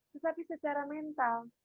tetapi secara mental